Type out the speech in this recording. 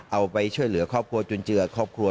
เอาไปช่วยเหลือครอบครัวจุนเจือครอบครัว